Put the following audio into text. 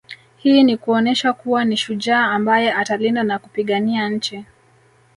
Hii ni kuonesha kuwa ni shujaa ambaye atalinda na kupigania nchi